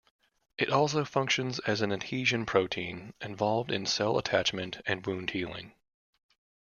It also functions as an adhesion protein, involved in cell attachment and wound healing.